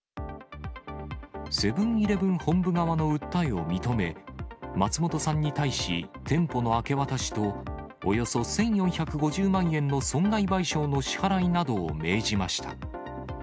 セブンーイレブン本部側の訴えを認め、松本さんに対し、店舗の明け渡しと、およそ１４５０万円の損害賠償の支払いなどを命じました。